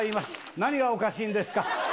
何がおかしいんですか。